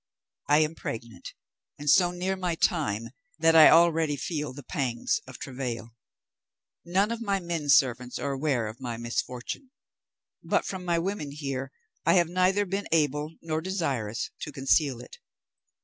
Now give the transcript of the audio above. I am pregnant, and so near my time, that I already feel the pangs of travail. None of my men servants are aware of my misfortune, but from my women here I have neither been able nor desirous to conceal it.